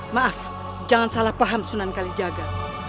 maaf jangan salah paham sunan kalijaga